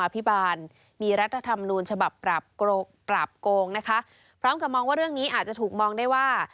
พิบาลมีรัฐธรรมนูญฉบับปราบโกงปราบโกงนะคะพร้อมกับมองว่าเรื่องนี้อาจจะถูกมองได้ว่า